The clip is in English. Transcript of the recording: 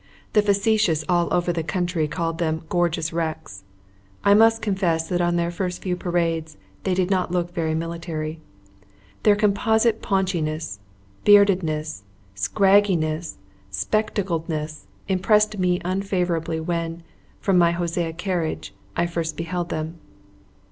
The facetious all over the country called them "Gorgeous Wrecks." I must confess that on their first few parades they did not look very military. Their composite paunchiness, beardedness, scragginess, spectacledness, impressed me unfavourably when, from my Hosea carriage, I first beheld them.